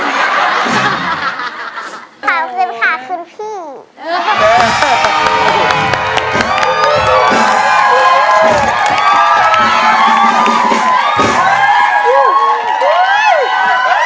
ขอบคุณค่ะคุณพี่